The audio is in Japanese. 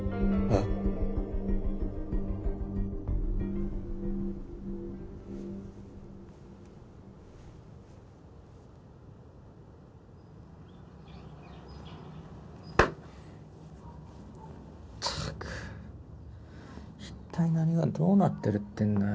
ったく一体何がどうなってるってんだよ。